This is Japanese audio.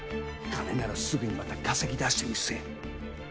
金ならすぐにまた稼ぎだしてみせる。